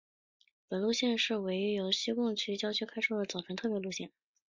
本路线是唯一由西贡郊区开出的早晨特别路线。